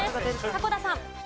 迫田さん。